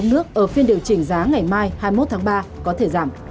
mức giá ngày mai có thể giảm